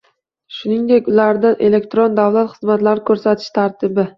shuningdek ularda elektron davlat xizmatlari ko‘rsatish tartibi